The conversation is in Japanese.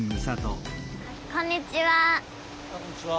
こんにちは。